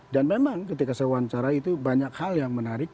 dan memang ketika saya wawancara itu banyak hal yang menarik